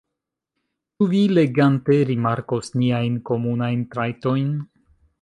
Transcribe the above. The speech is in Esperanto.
Ĉu vi legante rimarkos niajn komunajn trajtojn?